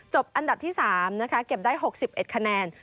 อันดับที่๓นะคะเก็บได้๖๑คะแนน